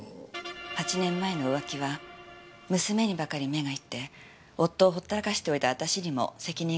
８年前の浮気は娘にばかり目がいって夫をほったらかしておいた私にも責任がありました。